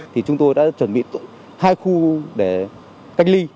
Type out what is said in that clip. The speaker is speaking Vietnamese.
thì chúng tôi đã chuẩn bị hai khu để cách ly